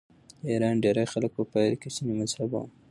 د ایران ډېری خلک په پیل کې سني مذهبه ول.